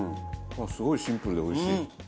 すごいシンプルでおいしい。